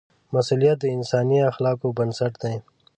مسؤلیت د انساني اخلاقو بنسټ دی.